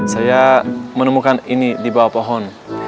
saya menemukan ini di bawah pohon